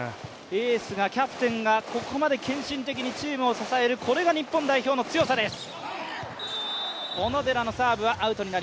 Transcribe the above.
エースが、キャプテンがここまで献身的にチームを支える、これが日本代表の強さです。